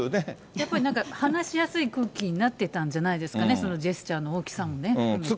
やっぱりなんか話しやすい空気になってたんじゃないですかね、ジェスチャーの大きさもね、含めてね。